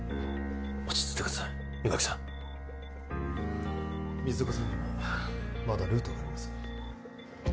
落ち着いてください伊垣さん光岡さんにはまだルートがあります